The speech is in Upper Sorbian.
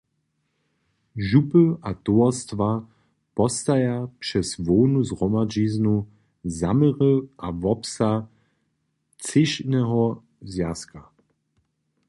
Župy a towarstwa postaja přez hłownu zhromadźiznu zaměry a wobsah třěšneho zwjazka.